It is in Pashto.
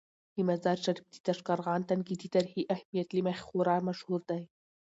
د مزار شریف د تاشقرغان تنګي د تاریخي اهمیت له مخې خورا مشهور دی.